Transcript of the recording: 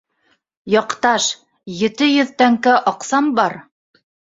— Яҡташ, ете йөҙ тәңкә аҡсам бар.